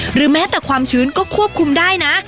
หรือแม้แต่ความชื้นก็ควบคุมได้นะ